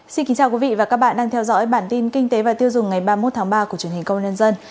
xin kính chào quý vị và các bạn đang theo dõi bản tin kinh tế và tiêu dùng ngày ba mươi một tháng ba của truyền hình công nhân